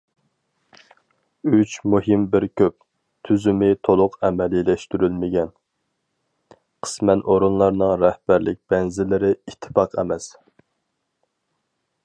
‹‹ ئۈچ مۇھىم، بىر كۆپ›› تۈزۈمى تولۇق ئەمەلىيلەشتۈرۈلمىگەن، قىسمەن ئورۇنلارنىڭ رەھبەرلىك بەنزىلىرى ئىتتىپاق ئەمەس.